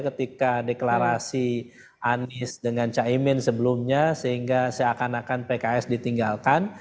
ketika deklarasi anies dengan caimin sebelumnya sehingga seakan akan pks ditinggalkan